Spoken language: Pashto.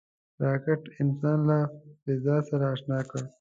راکټ انسان له فضا سره اشنا کړ